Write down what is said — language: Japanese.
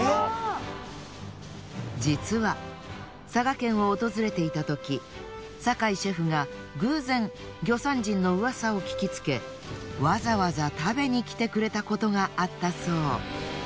実は佐賀県を訪れていた時坂井シェフが偶然魚山人のうわさを聞きつけわざわざ食べに来てくれたことがあったそう。